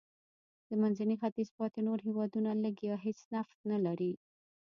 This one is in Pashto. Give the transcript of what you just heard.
د منځني ختیځ پاتې نور هېوادونه لږ یا هېڅ نفت نه لري.